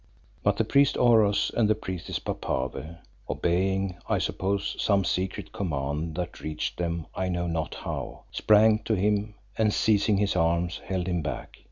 But the priest Oros, and the priestess Papave, obeying, I suppose, some secret command that reached them I know not how, sprang to him and seizing his arms, held him back.